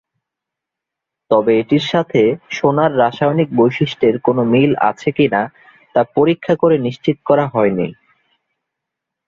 তবে এটির সাথে সোনার রাসায়নিক বৈশিষ্ট্যের কোন মিল আছে কি না, তা পরীক্ষা করে নিশ্চিত করা হয়নি।